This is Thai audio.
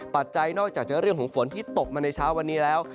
ปัจจัยนอกจากจะเรียกฝนที่ตบมาในเช้าวันนี้แล้ว